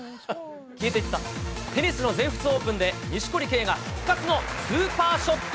テニスの全仏オープンで、錦織圭が復活のスーパーショット。